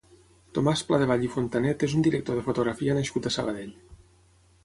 Tomàs Pladevall i Fontanet és un director de fotografia nascut a Sabadell.